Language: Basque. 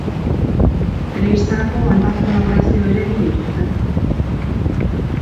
Telebistarako hainbat kolaborazio ere egin dituzte.